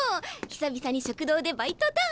久々に食堂でバイトだ。